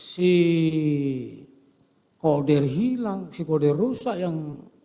si koder hilang si kode rusak yang